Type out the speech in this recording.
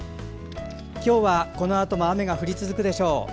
今日はこのあとも雨が降り続くでしょう。